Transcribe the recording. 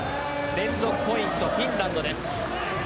連続ポイント、フィンランドです。